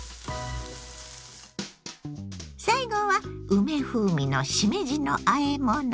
最後は梅風味のしめじのあえもの。